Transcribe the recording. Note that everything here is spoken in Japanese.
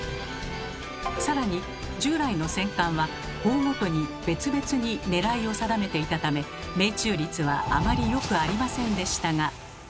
さらに従来の戦艦は砲ごとに別々に狙いを定めていたため命中率はあまりよくありませんでしたが。